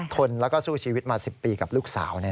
ทนแล้วก็สู้ชีวิตมา๑๐ปีกับลูกสาว